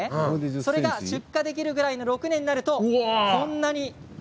それが出荷できるくらいの６年になるとこんなに。